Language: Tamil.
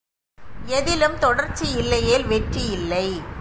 எதிலும் தொடர்ச்சி இல்லையேல் வெற்றி இல்லை.